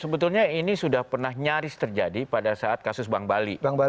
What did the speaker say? sebetulnya ini sudah pernah nyaris terjadi pada saat kasus bank bali